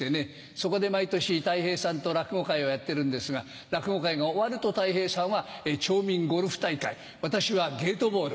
そこで毎年たい平さんと落語会をやってるんですが落語会が終わるとたい平さんは町民ゴルフ大会私はゲートボール。